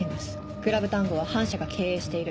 「クラブ・タンゴは反社が経営している」。